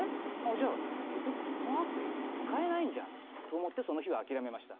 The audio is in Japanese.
じゃあ結局このアプリ使えないんじゃんと思ってその日は諦めました。